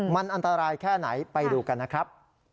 มันอันตรายแค่ไหนไปดูกันนะครับ